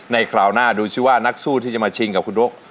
คราวหน้าดูซิว่านักสู้ที่จะมาชิงกับคุณโด๊ก